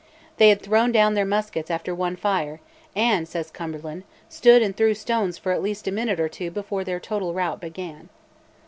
They had thrown down their muskets after one fire, and, says Cumberland, stood "and threw stones for at least a minute or two before their total rout began."